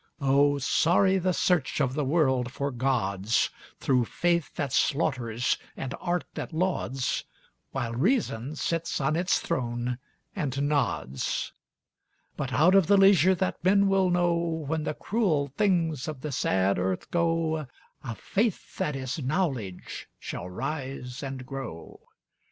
Oh, sorry the search of the world for gods, Through faith that slaughters and art that lauds, While reason sits on its throne and nods. But out of the leisure that men will know, When the cruel things of the sad earth go, A Faith that is Knowledge shall rise and grow.